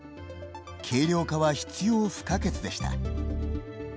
軽量化は必要不可欠でした。